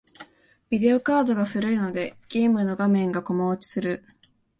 ビデオカードが古いので、ゲームの画面がコマ落ちする。